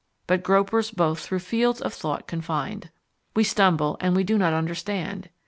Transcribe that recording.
But gropers both through fields of thought confined We stumble and we do not understand.